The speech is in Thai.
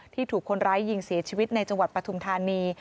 ถูกคนร้ายยิงเสียชีวิตในจังหวัดปฐุมธานี